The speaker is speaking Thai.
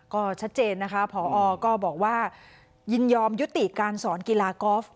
ก็ชัดเจนนะคะผอก็บอกว่ายินยอมยุติการสอนกีฬากอล์ฟ